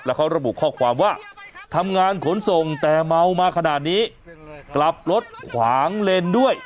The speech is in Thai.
เขาระบุข้อความว่าทำงานขนส่งแต่เมามาขนาดนี้กลับรถขวางเลนด้วย